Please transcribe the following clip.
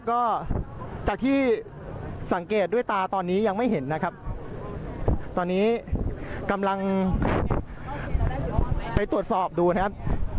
ก็จากที่สังเกตด้วยตาตอนนี้ยังไม่เห็นนะครับตอนนี้กำลังไปตรวจสอบดูนะครับ